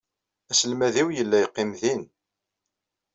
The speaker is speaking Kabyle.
Aselmad-iw yella yeqqim din.